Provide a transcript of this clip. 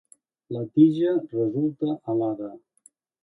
La tija resulta alada.